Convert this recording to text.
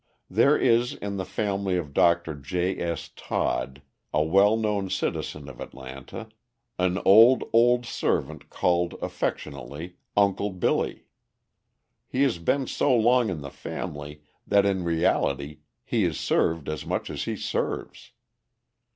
There is in the family of Dr. J. S. Todd, a well known citizen of Atlanta, an old, old servant called, affectionately, Uncle Billy. He has been so long in the family that in reality he is served as much as he serves.